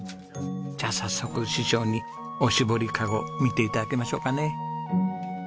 じゃあ早速師匠におしぼりカゴ見て頂きましょうかね。